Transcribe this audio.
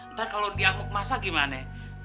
ntar kalau diamuk masa gimana ya